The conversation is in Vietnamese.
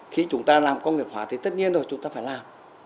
khi chúng ta làm công nghiệp hóa thì tất nhiên rồi chúng ta phải làm